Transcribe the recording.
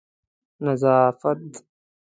نظافت